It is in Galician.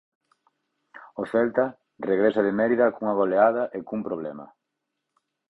O Celta regresa de Mérida cunha goleada e cun problema.